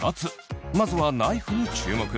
まずはナイフに注目。